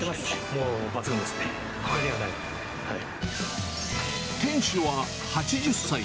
もう抜群ですね、ほかにはな店主は８０歳。